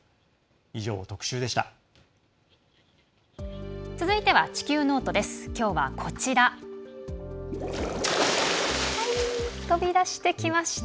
以上、特集でした。